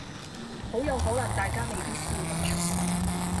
好有可能大家未必笑得出